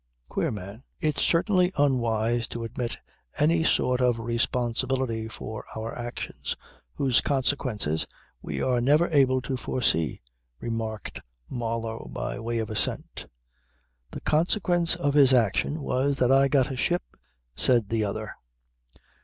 Queer man." "It's certainly unwise to admit any sort of responsibility for our actions, whose consequences we are never able to foresee," remarked Marlow by way of assent. "The consequence of his action was that I got a ship," said the other.